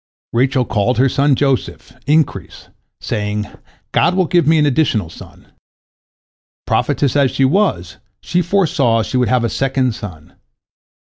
" Rachel called her son Joseph, "increase," saying, "God will give me an additional son." Prophetess as she was, she foresaw she would have a second son.